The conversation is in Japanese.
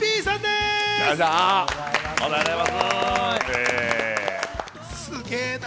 すげえな。